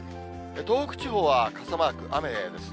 東北地方は傘マーク、雨ですね。